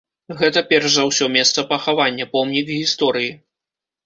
Гэта перш за ўсё месца пахавання, помнік гісторыі.